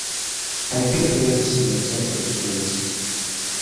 I feel irresistibly tempted to do it.